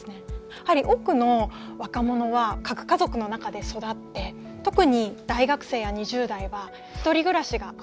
やはり多くの若者は核家族の中で育って特に大学生や２０代は１人暮らしが当たり前で。